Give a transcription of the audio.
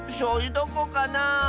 どこかなあ。